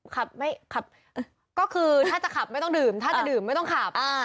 ขับไม่ขับก็คือถ้าจะขับไม่ต้องดื่มถ้าจะดื่มไม่ต้องขับ